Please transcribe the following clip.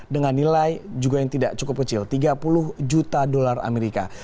dengan nilai juga yang tidak cukup kecil tiga puluh juta dolar amerika